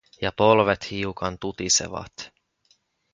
Ja polvet hiukan tutisevat.